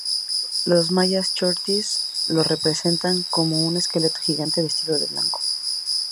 Los mayas chortís lo representan como un esqueleto gigante vestido de blanco.